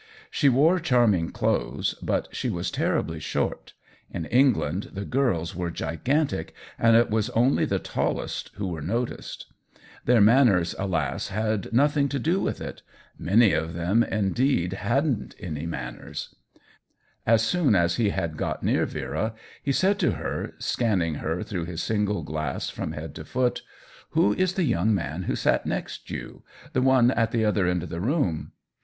She wore charming clothes, but she was terribly short; in England the girls were gigantic, and it was only the tallest who were noticed. Their manners, alas, had nothing to do with it — many of them THE WHEEL OF TIME 45 indeed hadn't any manners. As soon as he had got near Vera he said to her, scanning her through his single glass from head to foot : "Who is the young man who sat next you ? the one at the other end of the room."